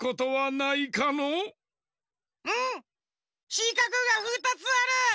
しかくが２つある！